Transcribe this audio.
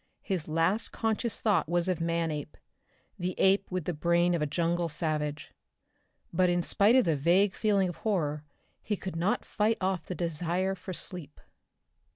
His last conscious thought was of Manape, the ape with the brain of a jungle savage. But in spite of the vague feeling of horror he could not fight off the desire for sleep.